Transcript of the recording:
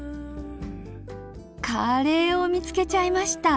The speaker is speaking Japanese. カレーを見つけちゃいました。